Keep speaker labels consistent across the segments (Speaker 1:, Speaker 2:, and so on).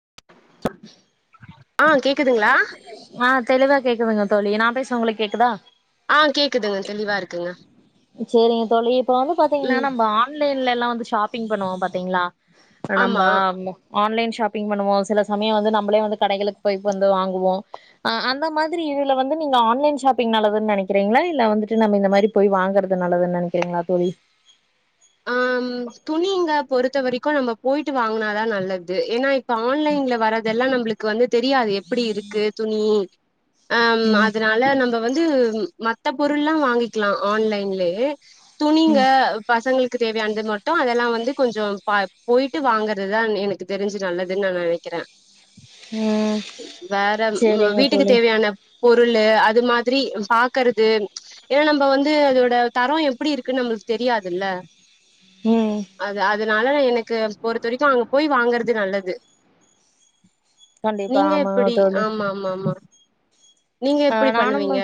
Speaker 1: [inaudible]
Speaker 2: ஆ கேக்குதுங்களா
Speaker 1: ஆ தெளிவா கேக்குதுங்க தோழி நா பேசுனா உங்களுக்கு கேக்குதா
Speaker 2: ஆ கேக்குதுங்க தெளிவா இருக்குங்க
Speaker 1: சேரிங்க தோழி இப்ப வந்து பாத்தீங்கன்னா
Speaker 2: ம்
Speaker 1: நம்ப ஆன் லைன்ல்லா வந்து ஷாப் பிங் பண்ணுவோம் பாத்திங்களா நம்ப
Speaker 2: ஆமா
Speaker 1: ம் ஆன்லைன் ஷாப் பிங் பண்ணுவோ சில சமயோ வந்து நம்மளே வந்து கடைகளுக்கு போய் வந்து வாங்குவோ அ அந்த மாதிரி இதுல வந்து நீங்க ஆன்லைன் ஷாப்பிங் நல்லது நெனைக்கிறீங்களா இல்ல வந்துட்டு நம்ம இந்த மாதிரி போய் வாங்குறது நல்லதுனு நெனைக்கிறீங்களா தோழி
Speaker 2: ஆம் துணிங்க பொறுத்த வரைக்கு நம்ம போயிட்டு வாங்குனாதா நல்லது ஏன்னா இப் ப ஆன்லைன்ல வரதெல்லா நம்ளுக் கு வந்து தெரியாது எப்டி இருக்கு துணி ஆம்
Speaker 1: ம்
Speaker 2: அதுனால நம்போ வந்து மத்த பொருள்லாம் வாங்கிக்கலாம் ஆன்லைன்லேயே துணிங்க
Speaker 1: ம்
Speaker 2: பசங்களுக்கு தேவையானது மட்டும் அதெல்லாம் வந்து கொஞ்சம் போயிட்டு வாங்குறதுதான் எனக்கு தெரிஞ்சு நல்லதுன்னு நான் நினைக்கிறேன்
Speaker 1: ம்
Speaker 2: வேற உ
Speaker 1: சேரிங்க
Speaker 2: வீட்டுக்கு
Speaker 1: தோழி
Speaker 2: தேவையான பொருள் அது மாதிரி பாக்குறது ஏன்னா நம்ப வந்து அதோட தரம் எப்படி இருக்குன்னு நம்மளுக்கு தெரியாதுல்ல
Speaker 1: ம்
Speaker 2: அது அ அதனால எனக்கு பொறுத்த வரைக்கும் அங்க போய் வாங்கறது நல்லது
Speaker 1: கண்டிப்பா
Speaker 2: நீங்க
Speaker 1: ஆமாங்க
Speaker 2: எப்படி ஆமா ஆமா ஆமா நீங்க
Speaker 1: அஹ்
Speaker 2: எப்டி
Speaker 1: நானும் வ
Speaker 2: பண்ணுவீங்க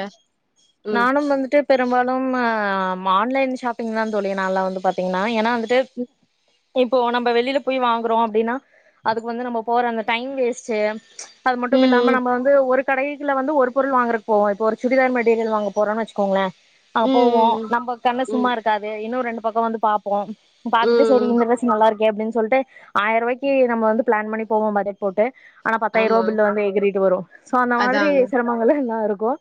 Speaker 2: ம்
Speaker 1: நானும் வந்துட்டு பெரும்பாலும் ஆஹ் ஆன்லைன் ஷாப் பின்லா தோழி நால வந்து பாத்தீங்கனா ஏனா [unintelligible] இப்போ நம்ப வெளியில போய் வாங்குறோம் அப்படின்னா அதுக்கு வந்து நம்ப போற அந்த டைம் வேஸ்ட்டு அது மட்டும் இல்லாம
Speaker 2: ம்
Speaker 1: நம்ப வந்து ஒரு கடைகள வந்து ஒரு பொருள் வாங்கறப் போவ இப்ப ஒரு சுடிதார் மெட்டீரியல் வாங்க போறோன் வச்சுக்கோங்ளே
Speaker 2: ம்
Speaker 1: ஆஹ் போவோம்
Speaker 2: ம்
Speaker 1: நம்ப கண்ணு
Speaker 2: ம்
Speaker 1: சும்மா
Speaker 2: ம்
Speaker 1: இருக்காது இன்னு ரெண்டு பக்கம் வந்து பாப்போம் பாத்துட்டு சேரி
Speaker 2: ம்
Speaker 1: இந்த டிரஸ் நல்லா இருக்கு அப்டின் சொல்டு ஆயிரவாக்கி நம்ம வந்து பிளான் பண்ணி போவ பஜட் போட்டு ஆனா பத்தாயிர
Speaker 2: ஆமா
Speaker 1: ரூபா பில்லு வந்து எகறிட்டு வரும் சோ அந்த மாதிரி
Speaker 2: அதாங்க
Speaker 1: மாங்கள எல்லாம் இருக்கும்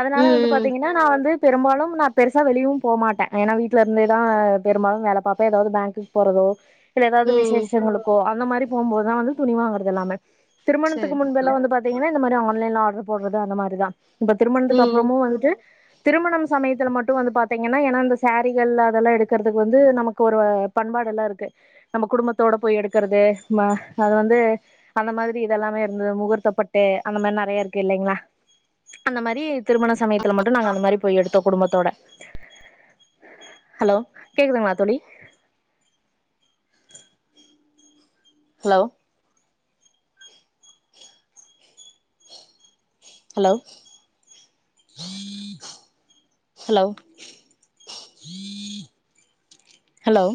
Speaker 1: அதனால வந்து
Speaker 2: ம்
Speaker 1: பாத்தீங்கனா நா வந்து பெரும்பாலும் நா பெருசா வெளியும் போமாட்டே ஏனா வீட்ல இருந்தேதா பெரும்பாலும் வேல பாப்பே ஏதாது பேங்க்குக்கு போறதோ இல்ல ஏதாவது
Speaker 2: ம் ம்
Speaker 1: விசேஷங்களுக்கோ அந்த மாரி போகும் போதுதான் வந்து துணி வாங்குறது எல்லமே
Speaker 2: சரி
Speaker 1: திருமணத்துக்கு முன்பெல்லா வந்து பாத்தீங்கனா இந்த மாரி ஆன்லைன்ல ஆட்ரு போடறது அந்த மாரிதா இப்ப திருமணத்துக்கு
Speaker 2: ம்
Speaker 1: அப்புறமும் வந்துட்டு திருமணம் சமயத்துல மட்டும் வந்து பார்த்தீங்கன்னா ஏன்னா இந்த சாரீகள் அதெல்லாம் எடுக்கிறதுக்கு வந்து நமக்கு ஒரு பண்பாடெல்லாம் இருக்கு நம்ம குடும்பத்தோட போய் எடுக்கிறது ம அது வந்து அந்த மாதிரி இதெல்லாமே இருந்தது முகூர்த்தப்பட்டு அந்த மாதிரி நிறைய இருக்கு கில்லங்ளா அந்த மாரி திருமண சமயத்துல மட்டு நாங்க அந்த மாரி போய் எடுத்தோ குடும்பத்தோட ஹலோ கேக்குதுங்ளா தோழி ஹலோ ஹலோ ஹலோ ஹலோ